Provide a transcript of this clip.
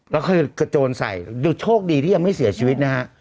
แล้วเคยกระโจนใส่ดูโชคดีที่ยังไม่เสียชีวิตนะฮะ